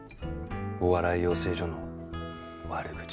お笑い養成所の悪口が。